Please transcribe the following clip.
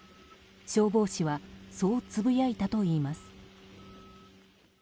消防士はそうつぶやいたといいます。